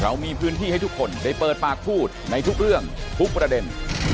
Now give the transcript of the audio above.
เรามีพื้นที่ให้ทุกคนได้เปิดปากพูดในทุกเรื่องทุกประเด็น